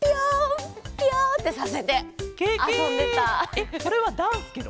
えっそれはダンスケロ？